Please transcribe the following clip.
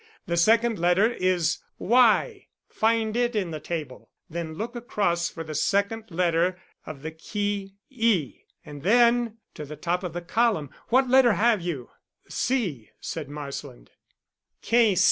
The second letter is Y find it in the table, then look across for the second letter of the key E, and then to the top of the column. What letter have you?" "C," said Marsland.